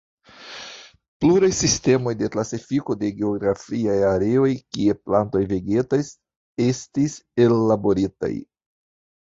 Pluraj sistemoj de klasifiko de geografiaj areoj kie plantoj vegetas, estis ellaboritaj.